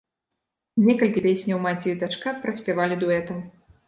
Некалькі песняў маці і дачка праспявалі дуэтам.